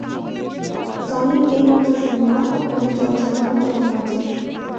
Sonic, এইমাত্র শুনলাম ওখানে জল ছেটানোর যন্ত্র আছে।